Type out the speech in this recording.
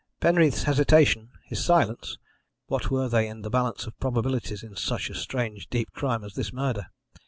Penreath's hesitation, his silence what were they in the balance of probabilities in such a strange deep crime as this murder?